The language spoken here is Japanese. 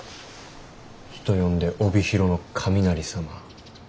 人呼んで帯広の雷様。